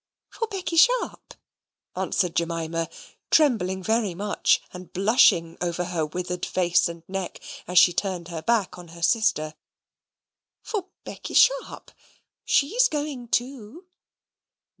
"For Becky Sharp," answered Jemima, trembling very much, and blushing over her withered face and neck, as she turned her back on her sister. "For Becky Sharp: she's going too."